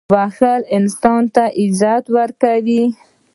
• بښل انسان ته عزت ورکوي.